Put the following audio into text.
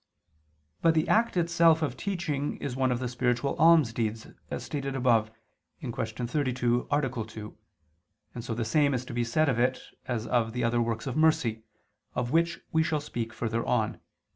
But the act itself of teaching is one of the spiritual almsdeeds, as stated above (Q. 32, A. 2), and so the same is to be said of it as of the other works of mercy, of which we shall speak further on (ad 4).